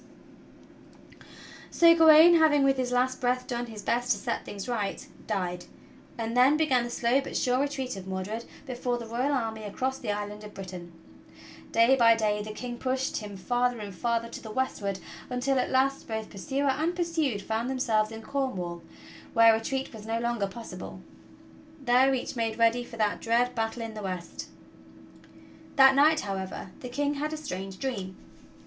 THE PASSINC; OF ARTHUR 149 So Gawain, having with his last breath done his best to set things right, died; and then began the slow but sure retreat of Mordred before the royal army across the Island of Britain, Day by day the King pushed him farther and farther to the westward until at last both pursuer and pursued found themselves in Cornwall, where retreat was no longer possible. There each made ready for that dread battle in the west. That night, however, the King had a strange dream.